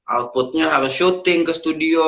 outputnya harus shooting ke studio